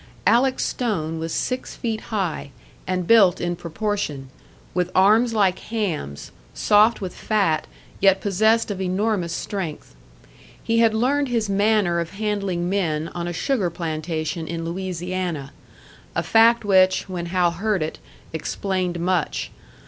Alec Stone was six feet high, and built in proportion, with arms like hams soft with fat, yet possessed of enormous strength. He had learned his manner of handling men on a sugar plantation in Louisiana a fact which, when Hal heard it, explained much.